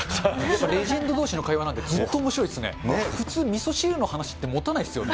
レジェンドどうしの会話っておもしろいですね、普通みそ汁の話って、もたないですよね。